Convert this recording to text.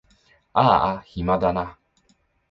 あーあ暇だな